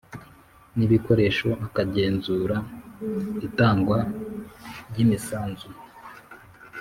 n’ibikoresho akagenzura itangwa ry’imisanzu,